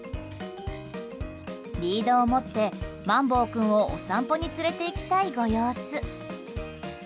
リードを持って、まんぼう君をお散歩に連れていきたいご様子。